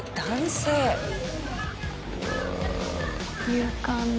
勇敢だ。